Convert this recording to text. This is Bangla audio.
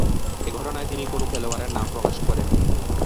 এ ঘটনায় তিনি কোন খেলোয়াড়ের নাম প্রকাশ করেননি।